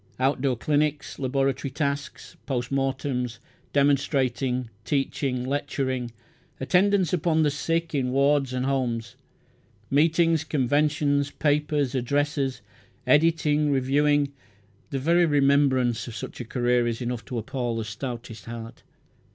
Outdoor clinics, laboratory tasks, post mortems, demonstrating, teaching, lecturing, attendance upon the sick in wards and homes, meetings, conventions, papers, addresses, editing, reviewing, the very remembrance of such a career is enough to appall the stoutest heart.